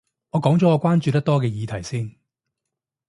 我講咗我關注得多嘅議題先